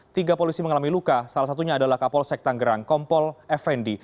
tiga polisi mengalami luka salah satunya adalah kapolsek tanggerang kompol fnd